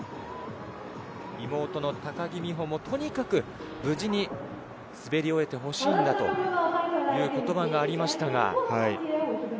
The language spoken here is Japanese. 妹の高木美帆も、とにかく無事に滑り終えてほしいんだという言葉がありましたが。